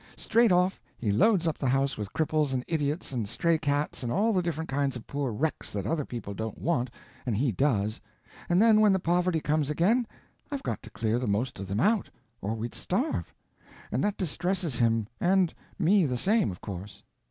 Straight off, he loads up the house with cripples and idiots and stray cats and all the different kinds of poor wrecks that other people don't want and he does, and then when the poverty comes again I've got to clear the most of them out or we'd starve; and that distresses him, and me the same, of course.